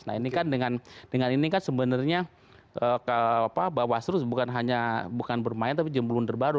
nah ini kan dengan ini kan sebenarnya bawaslu bukan hanya bukan bermain tapi juga blunder baru